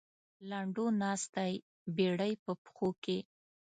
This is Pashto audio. لنډو ناست دی بېړۍ په پښو کې.